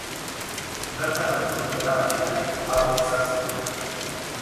Bertan harturiko erabakiak hauek izan ziren.